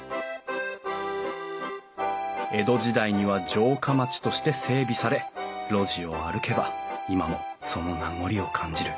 江戸時代には城下町として整備され路地を歩けば今もその名残を感じる。